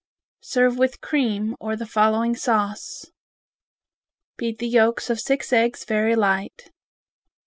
Serve with cream, or the following sauce: Beat the yolks of six eggs very light.